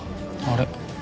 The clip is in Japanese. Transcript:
あれ？